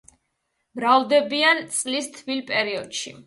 მრავლდებიან წლის თბილ პერიოდში.